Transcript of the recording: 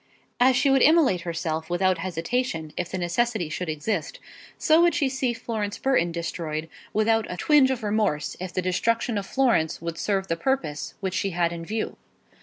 As she would immolate herself without hesitation, if the necessity should exist, so would she see Florence Burton destroyed without a twinge of remorse, if the destruction of Florence would serve the purpose which she had in view.